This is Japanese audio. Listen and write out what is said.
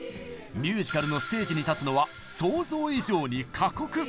ミュージカルのステージに立つのは想像以上に過酷！